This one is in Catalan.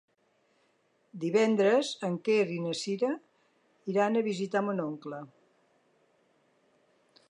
Divendres en Quer i na Cira iran a visitar mon oncle.